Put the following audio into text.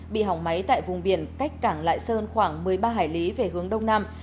bị hỏng máy tại vùng biển cách cảng lại sơn khoảng một mươi ba hải lý về hướng đông nam